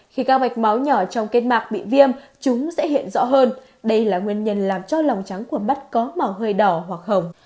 khi các mạch máu nhỏ trong kết mạc bị viêm chúng sẽ hiện rõ hơn đây là nguyên nhân làm cho lòng trắng của mắt có màu hơi đỏ hoặc hồng